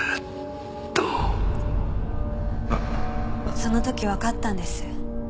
その時わかったんです。